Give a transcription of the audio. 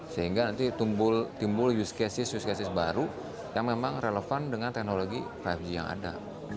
sehingga nanti timbul use case use cases baru yang memang relevan dengan teknologi lima g yang ada